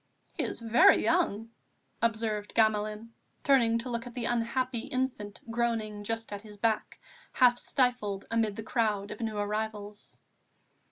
"He is very young," observed Gamelin, turning to look at the unhappy infant groaning just at his back, half stifled amid the crowd of new arrivals.